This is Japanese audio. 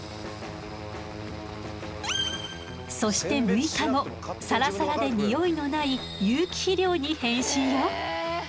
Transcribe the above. そして６日後サラサラでニオイのない有機肥料に変身よ。